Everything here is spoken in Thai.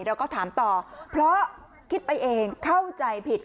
เราก็ถามต่อเพราะคิดไปเองเข้าใจผิด